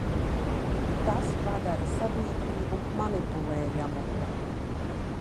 Tas padara sabiedrību manipulējamu.